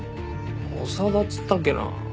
長田っつったっけな。